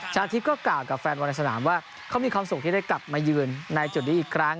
อาทิตย์ก็กล่าวกับแฟนบอลในสนามว่าเขามีความสุขที่ได้กลับมายืนในจุดนี้อีกครั้ง